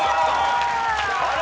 あれ？